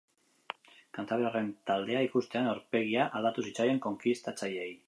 Kantabriarren taldea ikustean, aurpegia aldatu zitzaien konkistatzaileei.